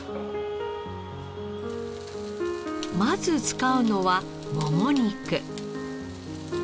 まず使うのはもも肉。